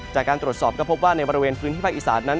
จากการตรวจสอบก็พบว่าในบริเวณพื้นที่ภาคอีสานนั้น